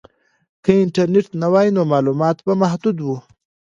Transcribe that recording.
که انټرنیټ نه وای نو معلومات به محدود وو.